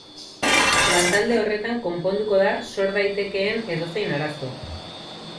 Lantalde horretan konponduko da sor daitekeen edozein arazo.